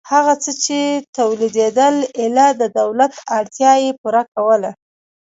هغه څه چې تولیدېدل ایله د دولت اړتیا یې پوره کوله.